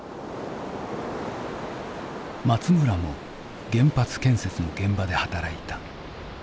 松村も原発建設の現場で働いた。